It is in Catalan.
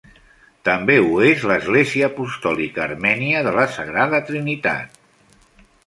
També ho és l'Església Apostòlica Armènia de la Sagrada Trinitat.